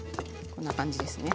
こんな感じですね。